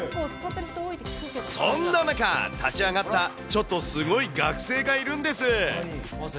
そんな中、立ち上がった、ちょっとすごい学生がいるんです。